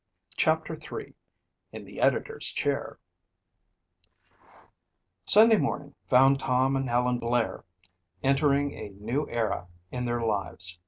CHAPTER III In the Editor's Chair Sunday morning found Tom and Helen Blair entering a new era in their lives.